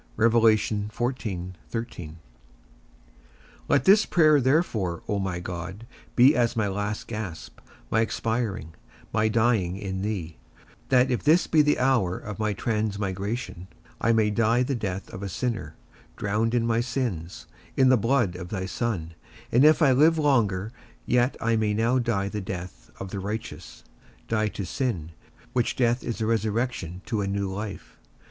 Let this prayer therefore, O my God, be as my last gasp, my expiring, my dying in thee; that if this be the hour of my transmigration, I may die the death of a sinner, drowned in my sins, in the blood of thy Son; and if I live longer, yet I may now die the death of the righteous, die to sin; which death is a resurrection to a new life.